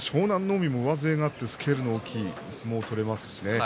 海も上背があってスケールの大きい相撲を取れますしね。